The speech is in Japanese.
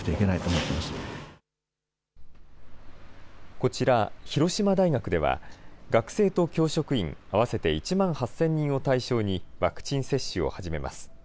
こちら、広島大学では、学生と教職員合わせて１万８０００人を対象に、ワクチン接種を始めます。